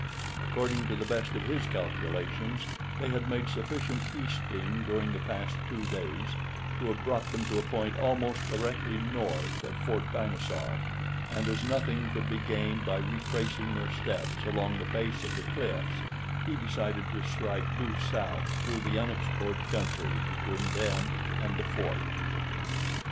According to the best of his calculations they had made sufficient easting during the past two days to have brought them to a point almost directly north of Fort Dinosaur and as nothing could be gained by retracing their steps along the base of the cliffs he decided to strike due south through the unexplored country between them and the fort.